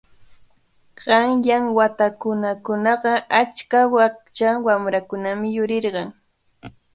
Qanyan watakunakuna achka wakcha wamrakunami yurirqan.